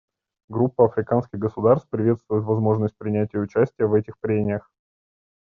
Группа африканских государств приветствует возможность принять участие в этих прениях.